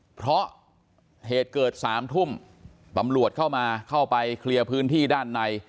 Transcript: เพราะเหตุเกิด๓ทุ่มตำรวจเข้ามาเข้าไปเคลียร์พื้นที่ด้านใน